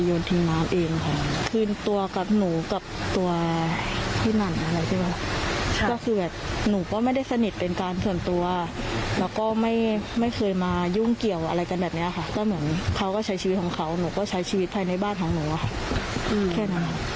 ยันว่าเราไม่ได้พาใจหรือไม่ได้สงสัยว่ามันจะเป็นเชื่อมโยงกับกฎีของน้องก็แน่แน่